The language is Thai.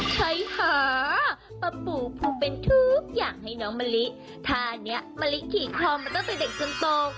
ใช้หาปลาปูผูกเป็นทุกอย่างให้น้องมะลิท่านี้มะลิขี่คลอมาตั้งแต่เด็กจนโต